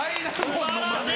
素晴らしい！